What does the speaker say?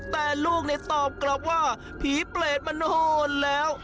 แต่ลูกตอบกลับว่าผีเปรตมานอนแล้ว